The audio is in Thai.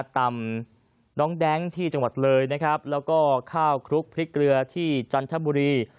ตำน้องแดงที่จังหวัดเลยข้าวครุกพริกเกลือที่จันทบุรี